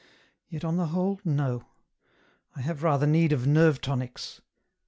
Yet on the whole, no ; I have rather need of nerve tonics.